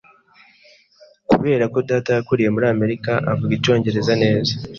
Kubera ko data yakuriye muri Amerika, avuga icyongereza neza.